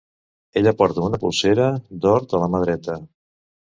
Ella porta una polsera d'or a la mà dreta.